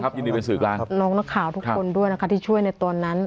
ขอบคุณรายการขอบคุณน้องหน้าข่าวทุกคนด้วยนะครับที่ช่วยในตัวนั้น